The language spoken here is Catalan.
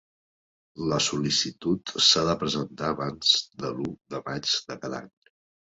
La sol·licitud s'ha de presentar abans de l'u de maig de cada any.